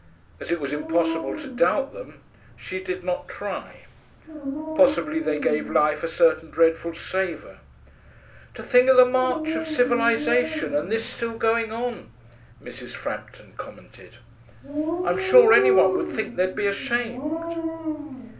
As it was impossible to doubt them, she did not try. Possibly they gave life a certain dreadful savour. 'To think of the march of civilisation, and this still going on,' Mrs. Frampton commented. 'I'm sure any one would think they'd be ashamed.'